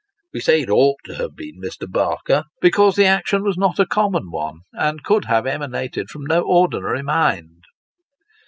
We say it ought to have been Mr. Barker, because the action \vas not a common one, and could have emanated from no ordinary mind.